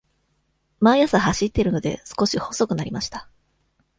毎朝走っているので、少し細くなりました。